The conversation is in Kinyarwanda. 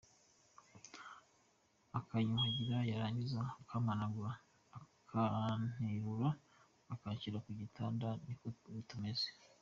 Akanyuhagira yarangiza akampanagura akanterura akanshyira ku gitanda, niko tumeze.